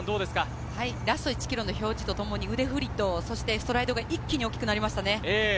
ラスト１ｋｍの表示とともに腕振りとストライドが一気に大きくなりましたね。